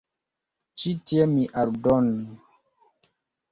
Ĉi tie mi aldonu.